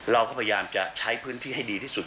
เราก็พยายามจะใช้พื้นที่ให้ดีที่สุด